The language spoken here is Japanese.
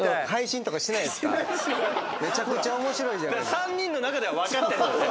３人の中では分かってんだよね。